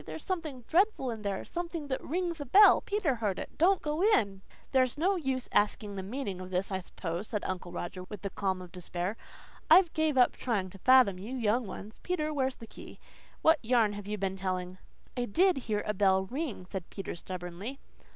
"There's something dreadful in there something that rings a bell. Peter heard it. Don't go in." "There's no use asking the meaning of this, I suppose," said Uncle Roger with the calm of despair. "I've gave up trying to fathom you young ones. Peter, where's the key? What yarn have you been telling?" "I DID hear a bell ring," said Peter stubbornly.